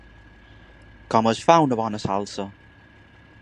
Com es fa una bona salsa?